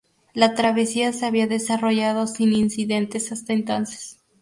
La travesía se había desarrollado sin incidentes hasta entonces.